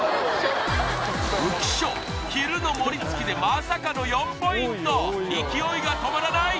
浮所昼のモリ突きでまさかの４ポイント勢いが止まらない